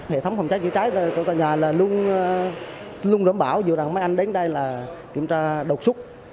hệ thống phòng cháy chữa cháy tại nhà là luôn đảm bảo dù rằng mấy anh đến đây là kiểm tra độc súc